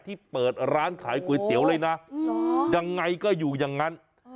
ที่เปิดร้านขายก๋วยเตี๋ยวเลยนะยังไงก็อยู่อย่างนั้น